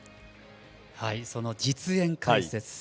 その実演解説。